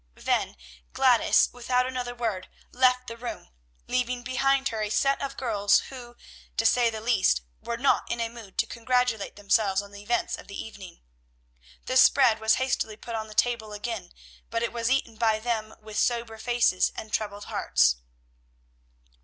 Then Gladys, without another word, left the room, leaving behind her a set of girls who, to say the least, were not in a mood to congratulate themselves on the events of the evening. The spread was hastily put on the table again, but it was eaten by them with sober faces and troubled hearts.